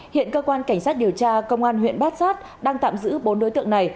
hiện cơ quan cảnh sát điều tra công an huyện bát sát đang tạm giữ bốn đối tượng này